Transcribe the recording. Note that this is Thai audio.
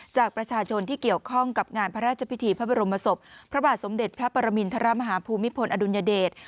จากประชาชนที่เกี่ยวข้องกับงานพระราชพิธีพระบรมศพพระบาทสมเด็จพระปรมินทรมาฮภูมิพลอดุลยเดช